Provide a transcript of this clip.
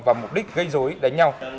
và mục đích gây dối đánh nhau